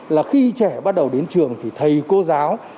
là khi trẻ bắt đầu đến trường thì thầy cô giáo